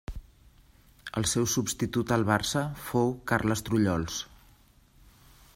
El seu substitut al Barça fou Carles Trullols.